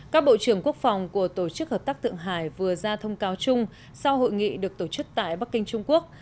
các bộ trưởng quốc phòng của tổ chức hợp tác thượng hải vừa ra thông cáo chung sau hội nghị được tổ chức tại bắc kinh trung quốc